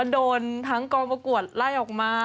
โดนทั้งกองประกวดไล่ออกมา